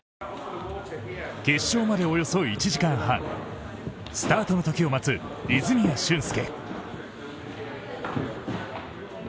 決勝までおよそ１時間半、スタートの時を待つ泉谷駿介。